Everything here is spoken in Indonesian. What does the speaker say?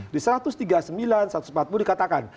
di satu ratus tiga puluh sembilan satu ratus empat puluh dikatakan